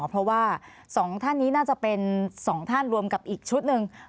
เพราะว่า๒ท่านนี้น่าจะเป็น๒ท่านรวมกับอีกชุดหนึ่ง